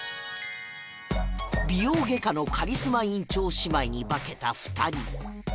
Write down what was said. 美容外科のカリスマ院長姉妹に化けた２人